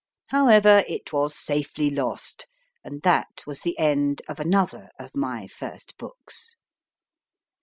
However, it was safely lost, and that was the end of another of my first books.